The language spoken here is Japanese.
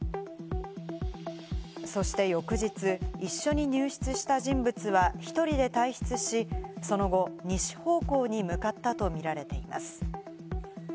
そして翌日、一緒に入室した人物は１人で退出し、その後、西方向に向かったとみられています。